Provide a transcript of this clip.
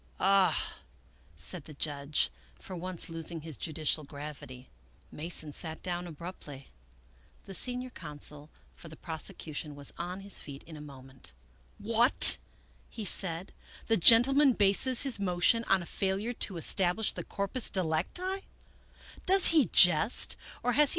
" Ah! " said the judge, for once losing his judicial gravity. Mason sat down abruptly. The senior counsel for the prosecution was on his feet in a moment. " What! " he said, " the gentleman bases his motion on a failure to establish the corpus delicti?